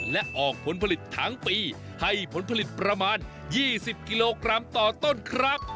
และออกผลผลิตทั้งปีให้ผลผลิตประมาณ๒๐กิโลกรัมต่อต้นครับ